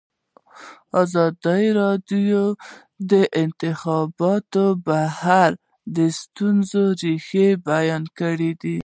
ازادي راډیو د د انتخاباتو بهیر د ستونزو رېښه بیان کړې.